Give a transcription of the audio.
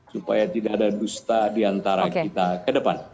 supaya tidak ada dusta diantara kita ke depan